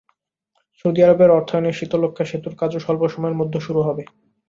Saudi আরবের অর্থায়নে শীতলক্ষ্যা সেতুর কাজও স্বল্প সময়ের মধ্যে শুরু হবে।